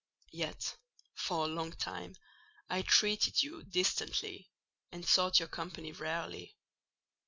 Yet, for a long time, I treated you distantly, and sought your company rarely.